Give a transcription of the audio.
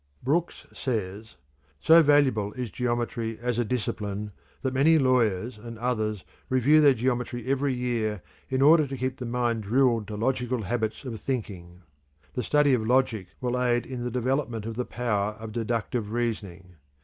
Brooks says: "So valuable is geometry as a discipline that many lawyers and others review their geometry every year in order to keep the mind drilled to logical habits of thinking. The study of logic will aid in the development of the power of deductive reasoning.